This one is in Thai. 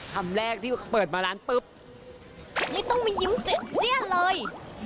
คำแรกที่เปิดมาร้านปุ๊บนี่ต้องมายิ้มเจ็บเจี้ยเลย